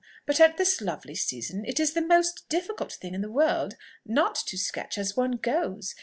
but at this lovely season it is the most difficult thing in the world not to sketch as one goes.